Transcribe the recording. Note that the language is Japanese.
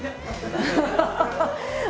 ハハハハ！